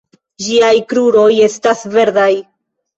Ĝiaj kruroj estas verdaj.